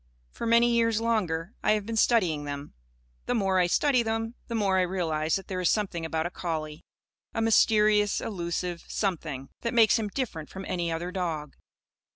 For many years longer, I have been studying them. The more I study them, the more I realise that there is something about a collie a mysterious, elusive something that makes him different from any other dog.